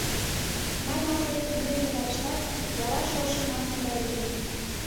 Май марте ӱден пытарыштат, яра шошо манме гай лие.